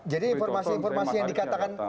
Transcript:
jadi informasi informasi yang dikatakan